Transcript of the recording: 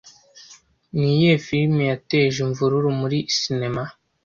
Niyihe firime yateje imvururu muri sinema